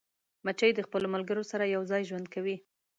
مچمچۍ د خپلو ملګرو سره یوځای ژوند کوي